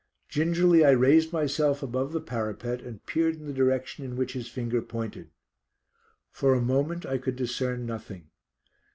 Gingerly I raised myself above the parapet and peered in the direction in which his finger pointed. For a moment I could discern nothing.